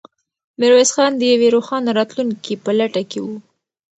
میرویس خان د یوې روښانه راتلونکې په لټه کې و.